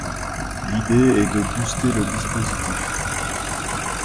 L’idée est de « booster » le dispositif.